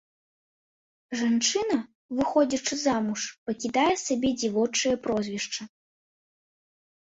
Жанчына, выходзячы замуж, пакідае сабе дзявочае прозвішча.